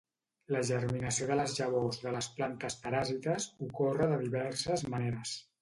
La germinació de les llavors de les plantes paràsites ocorre de diverses maneres.